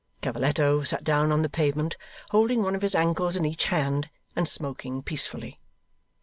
Cavalletto sat down on the pavement, holding one of his ankles in each hand, and smoking peacefully.